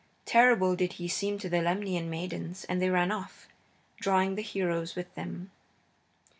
Terrible did he seem to the Lemnian maidens, and they ran off, drawing the heroes with them.